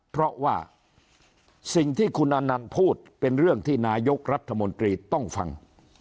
เพราะว่าสิ่งที่คุณอนันต์พูดเป็นเรื่องที่นายกรัฐมนตรีต้องฟัง